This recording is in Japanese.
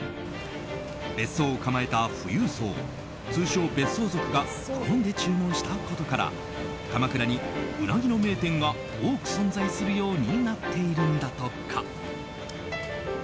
別荘を構えた富裕層通称別荘族が好んで注文したことから鎌倉にウナギの名店が多く存在するようになっているんだとか。